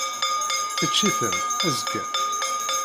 Ečč-iten, azekka!